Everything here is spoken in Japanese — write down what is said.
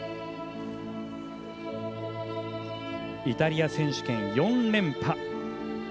イタリア選手権４連覇。